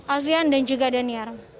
alfian dan juga daniel